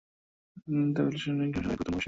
তাই বিশ্লেষণী রসায়নে এর গুরুত্ব অপরিসীম।